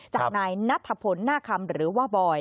จากนายนัทพลหน้าคำหรือว่าบอย